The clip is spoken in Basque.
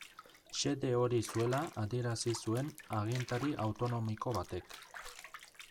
Xede hori zuela adierazi zuen agintari autonomiko batek.